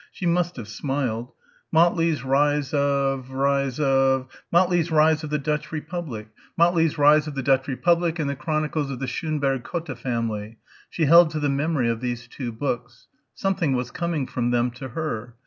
She must have smiled.... Motley's Rise of ... Rise of ... Motley's Rise of the Dutch Republic.... Motley's Rise of the Dutch Republic and the Chronicles of the Schönberg Cotta family. She held to the memory of these two books. Something was coming from them to her.